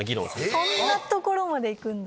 そんなところまで行くんだ。